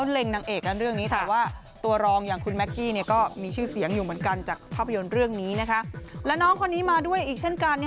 และน้องคนนี้มาด้วยอีกเช่นกัน